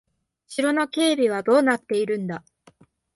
城の警備はどうなっているんだ。